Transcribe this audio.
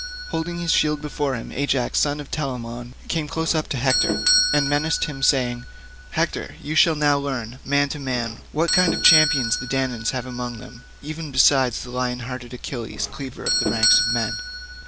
Holding this shield before him, Ajax son of Telamon came close up to Hector, and menaced him saying, "Hector, you shall now learn, man to man, what kind of champions the Danaans have among them even besides lion hearted Achilles cleaver of the ranks of men.